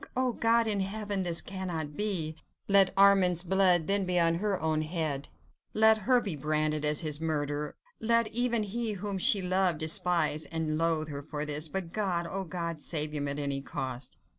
Oh, God in heaven! this cannot be! let Armand's blood then be upon her own head! let her be branded as his murderer! let even he, whom she loved, despise and loathe her for this, but God! oh God! save him at any cost!